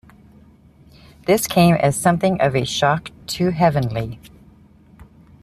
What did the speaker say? This came as something of a shock to Heavenly.